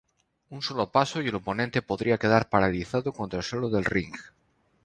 Un solo paso y el oponente podría quedar paralizado contra el suelo del ring.